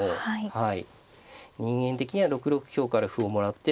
はい。